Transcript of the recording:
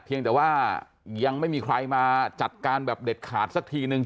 เพียงแต่ว่ายังไม่มีใครมาจัดการแบบเด็ดขาดสักทีนึง